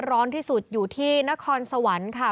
ร้อนที่สุดอยู่ที่นครสวรรค์ค่ะ